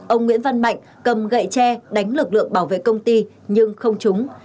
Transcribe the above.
ông nguyễn văn mạnh cầm gậy tre đánh lực lượng bảo vệ công ty nhưng không trúng